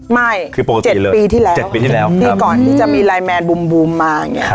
ไม่คือปกติเลยปีที่แล้ว๗ปีที่แล้วที่ก่อนที่จะมีไลน์แมนบูมมาอย่างเงี้